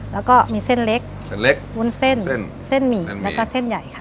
แล้วก็มีเส้นเล็กเส้นเล็กวุ้นเส้นเส้นเส้นหมี่แล้วก็เส้นใหญ่ค่ะ